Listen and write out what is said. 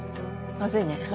まずいね。